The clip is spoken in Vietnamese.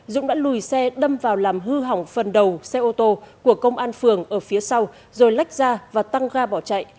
dũng đã lùi xe đâm vào làm hư hỏng phần đầu xe ô tô của công an phường ở phía sau rồi lách ra và tăng ga bỏ chạy